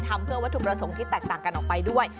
ทำเพื่อวัตถุประสงค์ที่แตกต่างกันออกไปด้วย